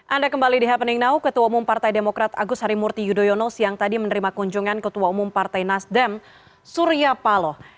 anda kembali di happening now ketua umum partai demokrat agus harimurti yudhoyono siang tadi menerima kunjungan ketua umum partai nasdem surya paloh